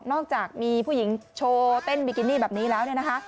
นอกจากมีผู้หญิงโชว์เต้นบิกินี้แบบนี้แล้ว